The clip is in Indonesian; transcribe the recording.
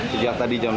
sejak tadi jam enam